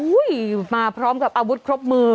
มาพร้อมกับอาวุธครบมือ